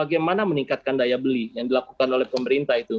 bagaimana meningkatkan daya beli yang dilakukan oleh pemerintah itu